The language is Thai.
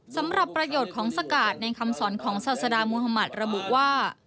สำหรับประโยชน์ของสกาดในคำสอนของศาสดามุธมัติระบุว่า